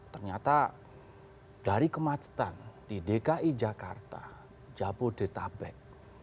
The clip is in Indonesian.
ternyata dari kemacetan di dki jakarta jabodetabek